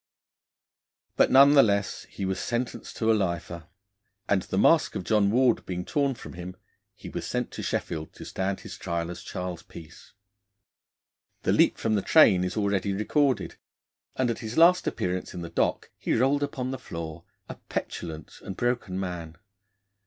But, none the less, he was sentenced to a lifer, and, the mask of John Ward being torn from him, he was sent to Sheffield to stand his trial as Charles Peace. The leap from the train is already recorded; and at his last appearance in the dock he rolled upon the floor, a petulant and broken man.